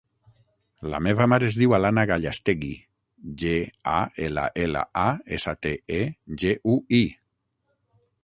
La meva mare es diu Alana Gallastegui: ge, a, ela, ela, a, essa, te, e, ge, u, i.